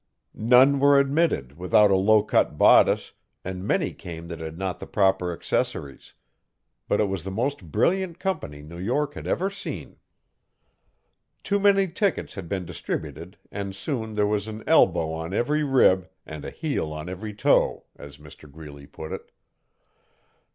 None were admitted without a low cut bodice, and many came that had not the proper accessories. But it was the most brilliant company New York had ever seen. Too many tickets had been distributed and soon 'there was an elbow on every rib and a heel on every toe', as Mr Greeley put it.